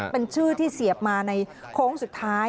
เป็นชื่อที่เสียบมาในโค้งสุดท้าย